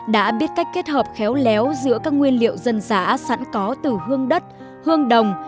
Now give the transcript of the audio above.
đã biết cách kết hợp khéo léo giữa các nguyên liệu dân dã sẵn có từ hương đất hương đồng